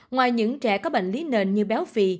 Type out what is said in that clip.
ngoài những trẻ có bệnh lý nền như béo phì